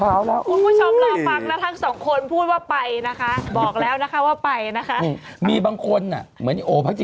โอ้โฮปากนี้๕๓ฉันกล้าพูด